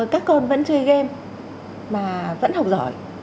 các con vẫn chơi game và vẫn học giỏi